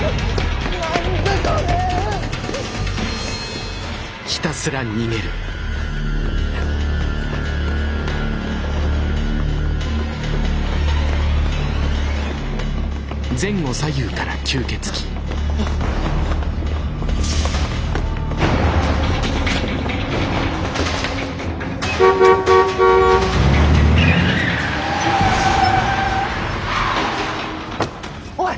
何だこれ⁉おい！